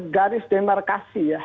garis demarkasi ya